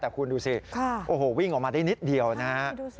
แต่คุณดูสิโอ้โหวิ่งออกมาได้นิดเดียวนะฮะ